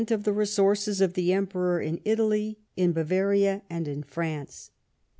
of the resources of the Emperor in Italy, in Bavaria, and in France.